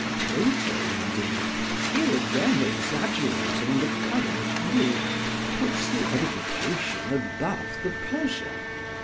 Plato, indeed, here again exaggerating the current view, puts the edification above the pleasure.